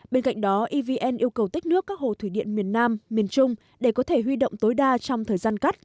bên cạnh đó evn yêu cầu tích nước các hồ thủy điện miền nam miền trung để có thể huy động tối đa trong thời gian cắt